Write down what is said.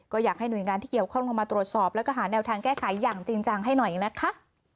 ก็อยากให้หน่วยงานที่เกี่ยวข้องลงมาตรวจสอบแล้วก็หาแนวทางแก้ไขอย่างจริงจังให้หน่อยนะคะ